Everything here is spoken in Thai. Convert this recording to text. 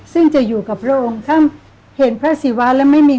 ซึ่งจะอยู่กับพระองค์ท่านเห็นพระศิวะแล้วไม่มี